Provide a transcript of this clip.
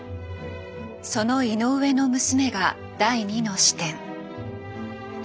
その井上の娘が第２の視点。